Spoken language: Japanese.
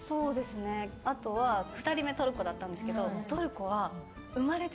あとは、２人目トルコだったんですけど。